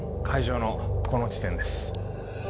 海上のこの地点です